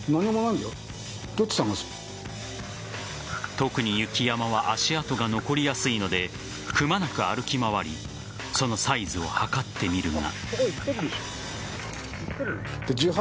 特に雪山は足跡が残りやすいのでくまなく歩き回りそのサイズを測ってみるが。